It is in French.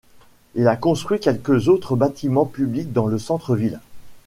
Il a construit quelques autres bâtiments publics dans le centre-ville.